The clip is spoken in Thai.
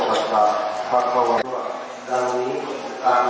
การพุทธศักดาลัยเป็นภูมิหลายการพุทธศักดาลัยเป็นภูมิหลาย